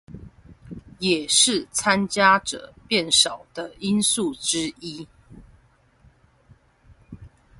也是參加者變少的因素之一